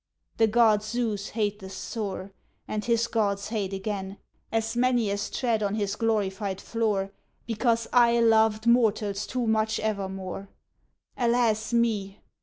The god Zeus hateth sore, And his gods hate again, As many as tread on his glorified floor, Because I loved mortals too much evermore. Alas me!